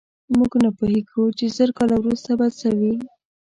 موږ نه پوهېږو، چې زر کاله وروسته به څه وي.